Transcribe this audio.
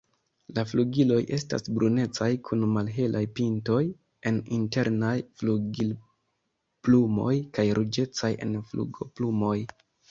La flugiloj estas brunecaj kun malhelaj pintoj en internaj flugilplumoj kaj ruĝecaj en flugoplumoj.